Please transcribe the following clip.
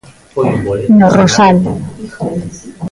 No Rosal.